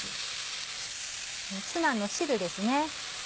ツナの汁ですね。